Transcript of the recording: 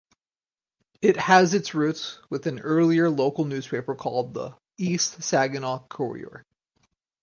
It has it roots with an earlier local newspaper called the East Saginaw Courier.